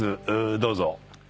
どうぞ。